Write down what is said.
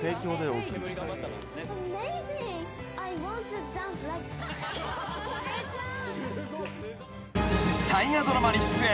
［大河ドラマに出演。